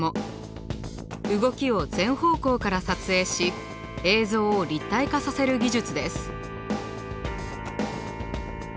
動きを全方向から撮影し映像を立体化させる技術です。